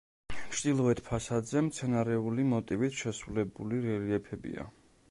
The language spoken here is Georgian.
ჩრდილოეთ ფასადზე მცენარეული მოტივით შესრულებული რელიეფებია.